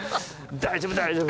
「大丈夫大丈夫！」